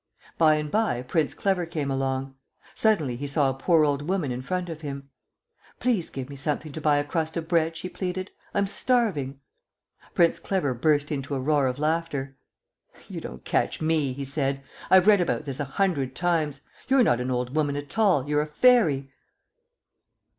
By and by Prince Clever came along. Suddenly he saw a poor old woman in front of him. "Please give me something to buy a crust of bread," she pleaded. "I'm starving." Prince Clever burst into a roar of laughter. "You don't catch me," he said. "I've read about this a hundred times. You're not an old woman at all; you're a Fairy."